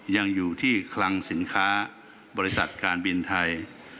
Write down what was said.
ยังอยู่ที่คลังสินค้าบริษัทการบินไทย